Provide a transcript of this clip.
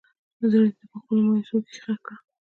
زړه دې په خپلو مايوسو کښې ښخ کړه